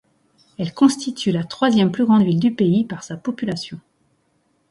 Elle constitue la troisième plus grande ville du pays par sa population.